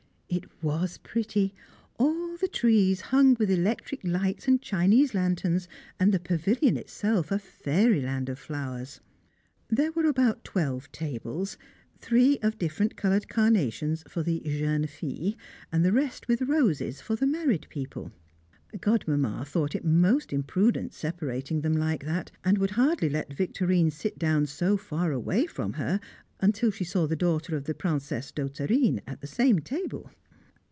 It was pretty; all the trees hung with electric lights and Chinese lanterns, and the pavilion itself a fairyland of flowers. There were about twelve tables, three of different coloured carnations for the "jeunes filles," and the rest with roses for the married people. Godmamma thought it most imprudent separating them like that, and would hardly let Victorine sit down so far away from her until she saw the daughter of the Princesse d'Hauterine at the same table.